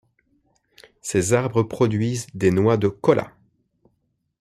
Ces arbres produisent les noix de kola.